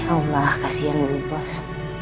ya allah kasihan ibu bos